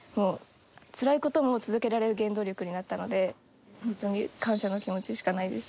つらい事も続けられる原動力になったので本当に感謝の気持ちしかないです。